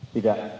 tidak kereta jalan